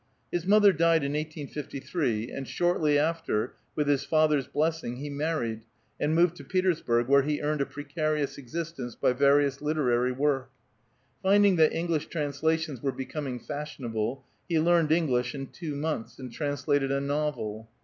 His mother died in 1853, and shortly after, with his father's blessing, he married, and moved to Peters burg, where he earned a precarious existence by various literary work. Finding that English translations were be coming fashionable, he learned English in two months, and translated a novel.